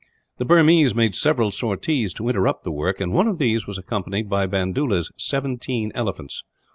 The Burmese made several sorties to interrupt the work, and one of these was accompanied by Bandoola's seventeen elephants.